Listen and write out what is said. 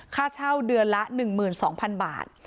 ค่าเช่าเดือนละ๑๒๐๐๐บาท